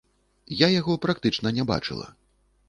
Я яго практычна не бачыла.